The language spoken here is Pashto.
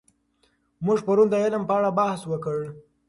موږ پرون د علم په اړه بحث وکړ.